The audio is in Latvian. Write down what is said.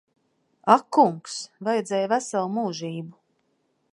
Ak kungs. Vajadzēja veselu mūžību.